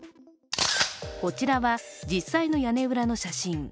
こちらは実際の屋根裏の写真。